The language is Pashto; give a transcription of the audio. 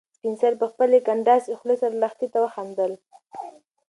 سپین سرې په خپلې کنډاسې خولې سره لښتې ته وخندل.